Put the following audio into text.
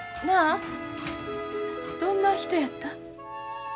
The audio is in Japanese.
なあどんな人やった？